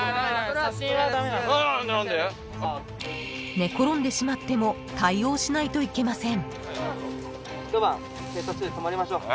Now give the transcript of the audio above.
［寝転んでしまっても対応しないといけません］